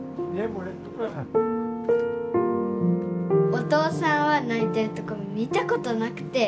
お父さんは泣いてるとこ見たことなくて。